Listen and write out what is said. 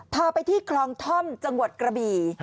พาไปที่คลองท่อมจังหวัดกระบี่